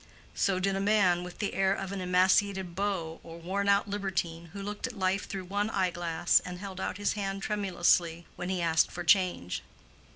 So did a man with the air of an emaciated beau or worn out libertine, who looked at life through one eye glass, and held out his hand tremulously when he asked for change.